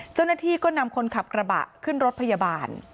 เจ้าหน้าที่ก็นำคนขับกระบะขึ้นรถพยาบาล